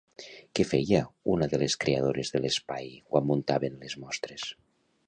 Què feia una de les creadores de l'espai quan muntaven les mostres?